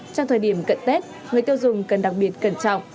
trong thời điểm cận tết người tiêu dùng cần đặc biệt cẩn trọng